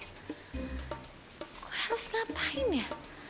gue harus ngapain ya